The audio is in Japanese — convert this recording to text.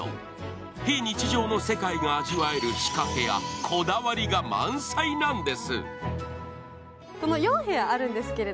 非日常の世界が味わえる仕掛けやこだわりが満載なんです。